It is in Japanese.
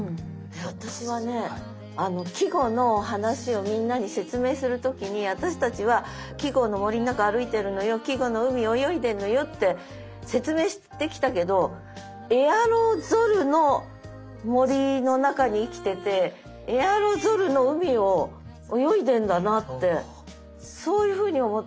私はね季語の話をみんなに説明する時に「私たちは季語の森の中歩いてるのよ季語の海を泳いでんのよ」って説明してきたけどエアロゾルの森の中に生きててエアロゾルの海を泳いでんだなってそういうふうに思った。